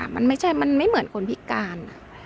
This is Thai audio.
มันไม่ใช่มันไม่เหมือนคนพิการ